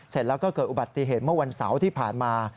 เสร็จแล้วก็เกิดอุบัติเหตุเมื่อวันเสาร์ที่ผ่านมา